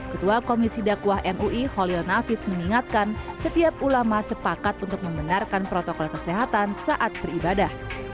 ketua komisi dakwah mui holil nafis mengingatkan setiap ulama sepakat untuk membenarkan protokol kesehatan saat beribadah